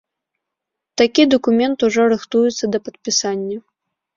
Такі дакумент ужо рыхтуецца да падпісання.